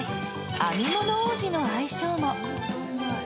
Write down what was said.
編み物王子の愛称も。